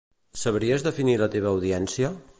Sabries definir la teva audiència?